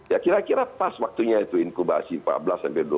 ya kira kira pas waktunya itu inkubasi empat belas dua puluh hari ya